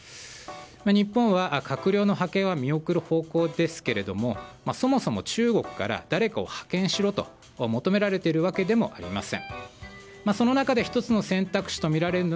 日本は閣僚の派遣は見送る方向ですけどもそもそも中国から誰かを派遣しろと求められてるわけではありません。